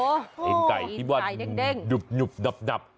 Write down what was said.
โอ้โหไอ้ไก่ที่ว่าดุบดับ